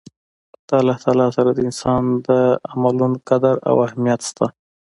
د الله تعالی سره د انسان د عملونو قدر او اهميت شته